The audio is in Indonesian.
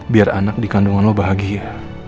biar anak di kandungan lo bahagia